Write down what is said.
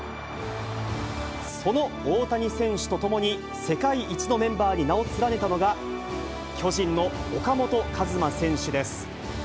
その大谷選手と共に、世界一のメンバーに名を連ねたのが、巨人の岡本和真選手です。